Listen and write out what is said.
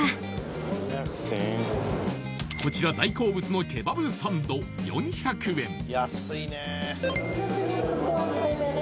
こちら大好物のケバブサンド４００円